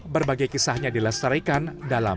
sepenuhnya adalah meneng literatur ini dehydratasi